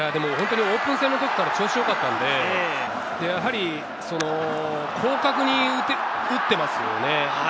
オープン戦の時から調子がよかったので、広角に打っていますよね。